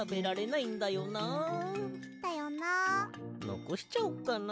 のこしちゃおうかな。